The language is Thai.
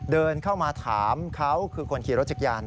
เดินเข้ามาถามเขาคือคนขี่รถจักรยาน